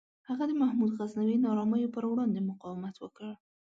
هغه د محمود غزنوي نارامیو پر وړاندې مقاومت وکړ.